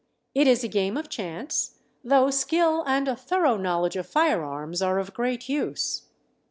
It is a game of chance, though skill and a thorough knowledge of firearms are of great use.